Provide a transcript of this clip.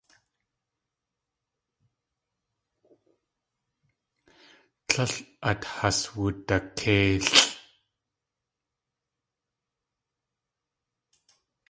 Tlél át has wudakéilʼ.